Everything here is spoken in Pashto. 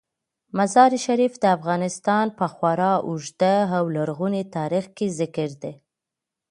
مزارشریف د افغانستان په خورا اوږده او لرغوني تاریخ کې ذکر دی.